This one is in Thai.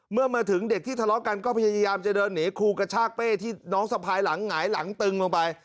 เมื่อมาถึงเด็กที่ทะเลาะกันก็พยายามจะเดินหนีครูกระชากเป้ที่น้องสะพายหลังหงายหลังตึงลงไป